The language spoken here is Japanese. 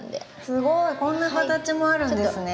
すごいこんな形もあるんですね。